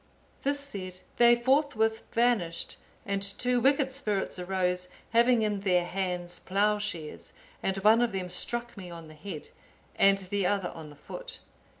This said, they forthwith vanished, and two wicked spirits arose, having in their hands ploughshares, and one of them struck me on the head, and the other on the foot.